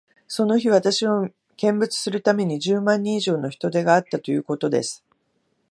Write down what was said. その日、私を見物するために、十万人以上の人出があったということです。